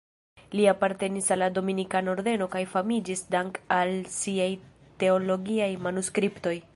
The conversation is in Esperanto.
Li apartenis al la Dominikana Ordeno kaj famiĝis dank'al siaj teologiaj manuskriptoj.